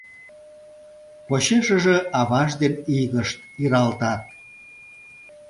Почешыже аваж ден игышт иралтат.